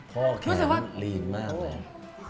พ่อแข็งลีนมากเลย